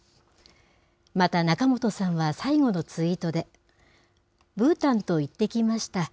また仲本さんは最後のツイートで、ブーたんと行ってきました。